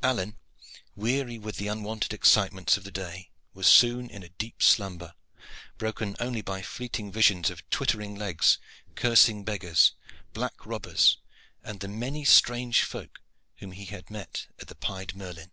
Alleyne, weary with the unwonted excitements of the day, was soon in a deep slumber broken only by fleeting visions of twittering legs, cursing beggars, black robbers, and the many strange folk whom he had met at the "Pied Merlin."